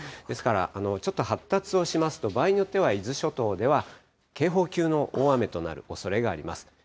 ですからちょっと発達をしますと、場合によっては、伊豆諸島では警報級の大雨となるおそれがあります。